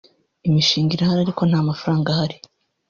imishinga irahari ariko nta mafaranga ahari